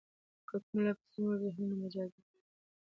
که کوم لفظ زمونږ ذهنونه مجازي مانا ته بوځي؛ د قال قرینه ئې بولي.